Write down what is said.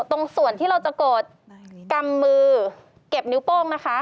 ตรงส่วนที่เราจะกดกำมือเก็บนิ้วโป้งนะคะ